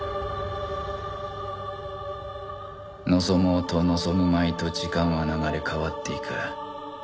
望もうと望むまいと時間は流れ変わっていく